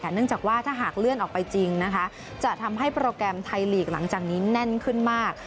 เนื่องจากว่าถ้าหากเลื่อนออกไปจริงนะคะจะทำให้โปรแกรมไทยลีกหลังจากนี้แน่นขึ้นมาก